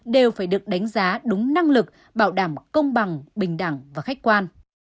đều phải được đánh giá đúng năng lực bảo đảm công bằng bình đẳng và khách quan